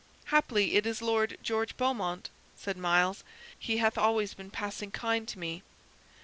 "Haply it is Lord George Beaumont," said Myles; "he hath always been passing kind to me.